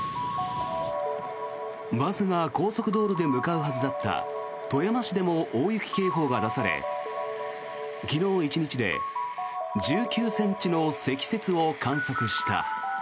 バスが高速道路で向かうはずだった富山市でも大雪警報が出され昨日１日で１９ｃｍの積雪を観測した。